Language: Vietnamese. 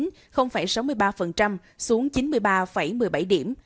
ubcoem index giảm năm mươi chín sáu mươi ba xuống chín mươi ba một mươi bảy điểm